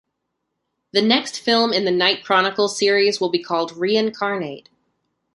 The next film in the Night Chronicles series will be called "Reincarnate".